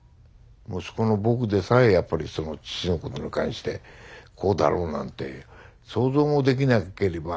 息子の僕でさえやっぱりその父のことに関してこうだろうなんて想像もできなければ。